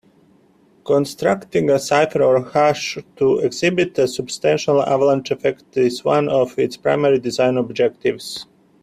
Constructing a cipher or hash to exhibit a substantial avalanche effect is one of its primary design objectives.